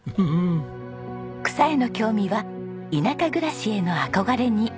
草への興味は田舎暮らしへの憧れに。